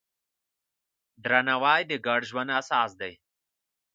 درناوی د ګډ ژوند اساس دی.